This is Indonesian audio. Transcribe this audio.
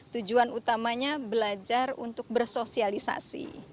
tujuan utamanya belajar untuk bersosialisasi